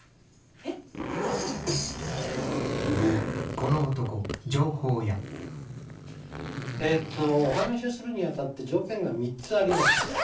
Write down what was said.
ええとお話しするにあたって条件が３つあります。